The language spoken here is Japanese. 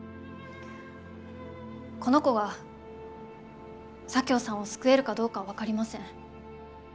この子は左京さんを救えるかどうか分かりません。